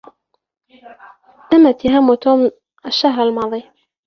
تم اتهام توم الشهر الماضي.